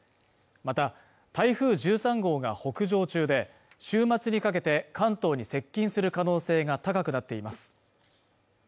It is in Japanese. また台風１３号が北上中で週末にかけて関東に接近する可能性が高くなっています